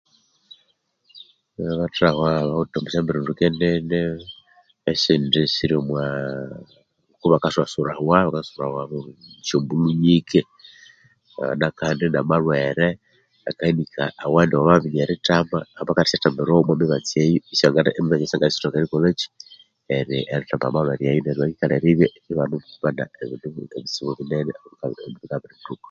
Abathahwa bawithe ashyambirinduke nene isindi siri omwaa ngokubakaswasurawa bakaswasurawa shombulho nyike nekandi namalhwere awandi akalire erithamba bakaba bakathambiragho omomibatsi eyo isiyangathasyakolhwa neryo bakikalha eribya ibanemulhaba omobitsibu bunene